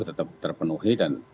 tetap terpenuhi dan